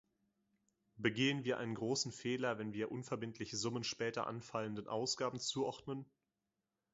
Begehen wir einen großen Fehler, wenn wir unverbindlich Summen später anfallenden Ausgaben zuordnen?